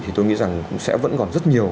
thì tôi nghĩ rằng cũng sẽ vẫn còn rất nhiều